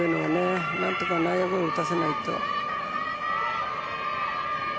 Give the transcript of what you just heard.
何とか内野ゴロ打たせないと。